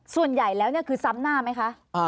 ส่วนใหญ่แล้วคือซ้ำหน้าไหมคะ